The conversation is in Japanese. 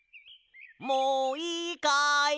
もういいかい？